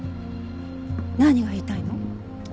何が言いたいの？